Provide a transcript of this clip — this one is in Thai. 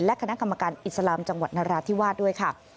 และคณะกรรมการอิสลามจังหวัดนราธิวาสด้วยค่ะ